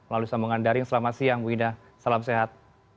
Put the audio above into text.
lalu sambungan daring selamat siang bu ida salam sehat